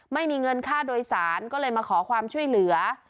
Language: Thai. ไม่มีเงินค่าโดยสารก็เลยมาขอความช่วยเหลือ